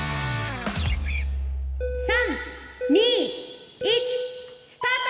３２１スタート！